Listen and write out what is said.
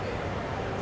terima kasih pak jin